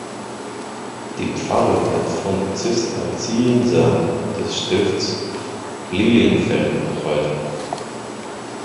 Die Pfarre wird von Zisterziensern des Stifts Lilienfeld betreut.